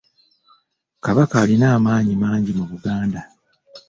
Kabaka alina amaanyi mangi mu Buganda.